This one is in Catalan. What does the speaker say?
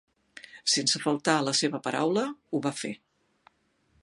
Sense faltar a la seva paraula, ho va fer.